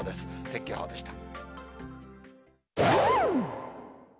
天気予報でした。